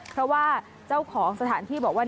เพราะว่าเจ้าของสถานที่บอกว่า